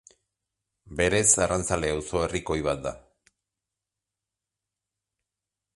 Berez arrantzale auzo herrikoi bat da.